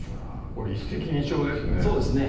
これ一石二鳥ですね